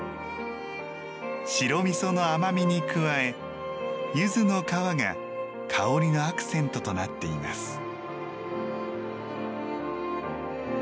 白味噌の甘みに加え柚子の皮が香りのアクセントとなっています。